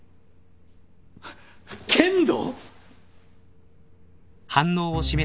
剣道？